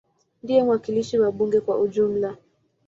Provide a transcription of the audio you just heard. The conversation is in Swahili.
Ndiye mwakilishi wa bunge kwa ujumla.